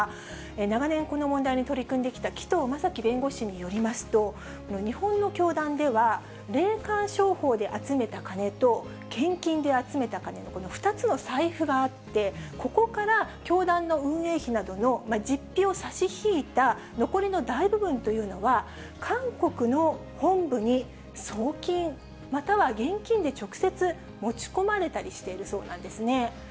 長年、この問題に取り組んできた紀藤正樹弁護士によりますと、この日本の教団では、霊感商法で集めたカネと、献金で集めたカネのこの２つの財布があって、ここから教団の運営費などの実費を差し引いた残りの大部分というのは、韓国の本部に送金、または現金で直接持ち込まれたりしているそうなんですね。